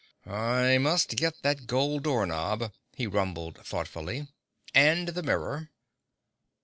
"I must get that gold door knob," he rumbled thoughtfully. "And the mirror."